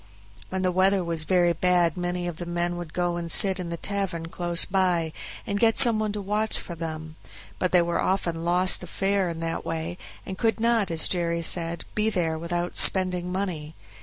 When the weather was very bad many of the men would go and sit in the tavern close by, and get some one to watch for them; but they often lost a fare in that way, and could not, as Jerry said, be there without spending money.